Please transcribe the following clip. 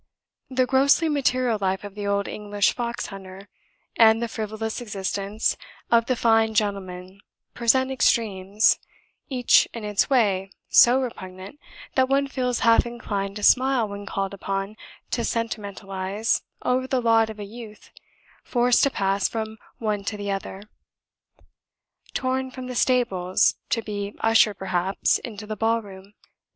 The grossly material life of the old English fox hunter, and the frivolous existence of the fine gentleman present extremes, each in its way so repugnant, that one feels half inclined to smile when called upon to sentimentalise over the lot of a youth forced to pass from one to the other; torn from the stables, to be ushered perhaps into the ball room.